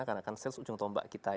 karena kan sales ujung tombak kita